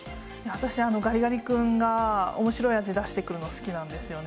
私、ガリガリ君がおもしろい味出してくるの好きなんですよね。